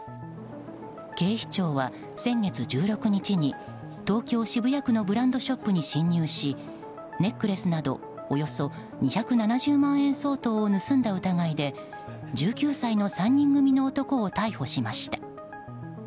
警視庁は先月１６日に東京・渋谷区のブランドショップに侵入しネックレスなどおよそ２７０万円相当を盗んだ疑いで、１９歳の３人組の男を逮捕しました。